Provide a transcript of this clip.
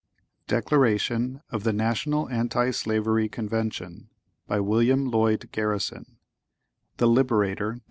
Declaration of the National Anti Slavery Convention (1833). By William Lloyd Garrison in THE LIBERATOR Vol.